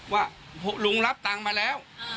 ว่าลุงรับตังค์มาแล้ว